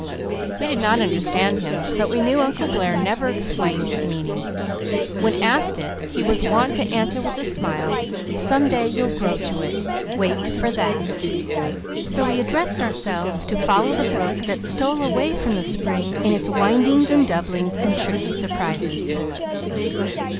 We did not understand him, but we knew Uncle Blair never explained his meaning. When asked it he was wont to answer with a smile, "Some day you'll grow to it. Wait for that." So we addressed ourselves to follow the brook that stole away from the spring in its windings and doublings and tricky surprises.